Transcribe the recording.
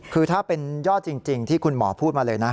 คือถ้าเป็นยอดจริงที่คุณหมอพูดมาเลยนะ